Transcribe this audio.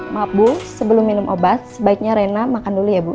maaf bu sebelum minum obat sebaiknya rena makan dulu ya bu